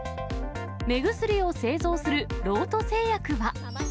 目薬を製造するロート製薬は。